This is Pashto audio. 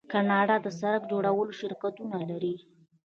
کاناډا د سړک جوړولو شرکتونه لري.